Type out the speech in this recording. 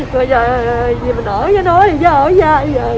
rồi bây giờ gì mình ở với nó thì chứ ở với ai